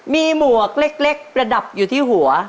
มีหมวกเล็กประดับอยู่ที่หัว